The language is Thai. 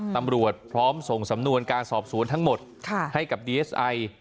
พร้อมส่งสำนวนการสอบสวนทั้งหมดให้กับดีเอสไอ